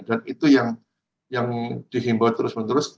dan itu yang dihimbau terus menerus